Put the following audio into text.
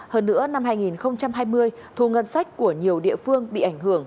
hơn nữa năm hai nghìn hai mươi thu ngân sách của nhiều địa phương bị ảnh hưởng